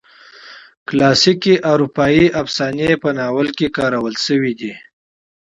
کلاسیکي اروپایي افسانې په ناول کې کارول شوي دي.